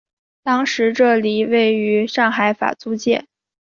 当时这里位于上海法租界。